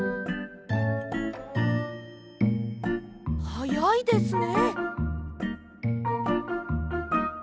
はやいですね！